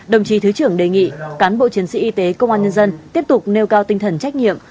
đồng chí thứ trưởng đề nghị cán bộ chiến sĩ y tế công an nhân dân tiếp tục nêu cao tinh thần trách nhiệm